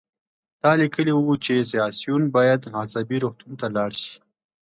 تا لیکلي وو چې سیاسیون باید عصبي روغتون ته لاړ شي